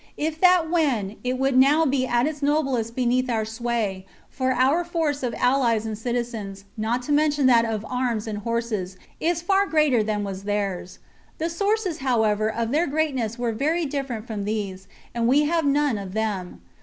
If that were so, it would now be at its noblest beneath 52 THE CONSPIRACY OF CATILINE. CHAP, our sway, for our force of allies and citizens, not to mention that of arms and horses, is far greater than was theirs. The sources, however, of their greatness were very different from these, and we have none of them.